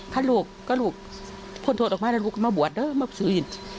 ถ้าลูกก็ลูกพ้นโทษออกมาแล้วลูกก็มาบวชเด้อมาคืน